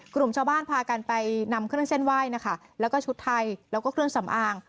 กลุ่มชาวบ้านพากันไปนำเครื่องเส้นไหว้นะคะแล้วก็ชุดไทยแล้วก็เครื่องสำอาง